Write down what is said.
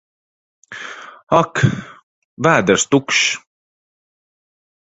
Ak! Vēders tukšs!